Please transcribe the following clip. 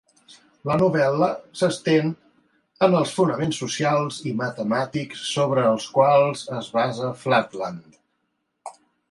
La novel·la s'estén en els fonaments socials i matemàtics sobre els quals es basa "Flatland".